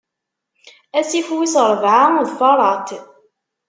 Asif wis ṛebɛa d Faṛat.